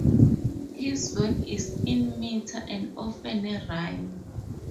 His work is in meter and often rhyme.